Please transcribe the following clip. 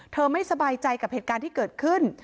ไม่สบายใจกับเหตุการณ์ที่เกิดขึ้น